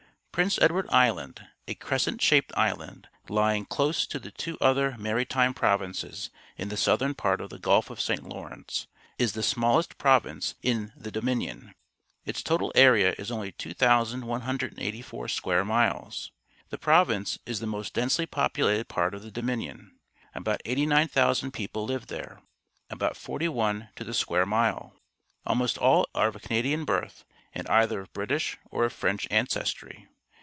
— Prince Ed ward Island, a crescent shaped island, hing close to the two other Maritime Provinces in the southern part of the Gulf of St. Lawrence, is the smallest province in the Dominion; its total area is only 2,184 square miles. The pro^■ince is the most densel.y populated part of the Dominion. About SO, onn ppoplp live there — about fortj^ one to the square mile. ,\lmost all are of Canadian birth and either of British or of Fr ench ancestry.